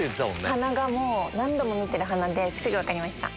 鼻が何度も見てる鼻ですぐ分かりました。